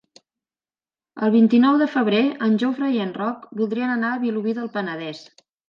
El vint-i-nou de febrer en Jofre i en Roc voldrien anar a Vilobí del Penedès.